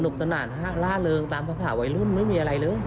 สนานฮะล่าเริงตามภาษาวัยรุ่นไม่มีอะไรเลย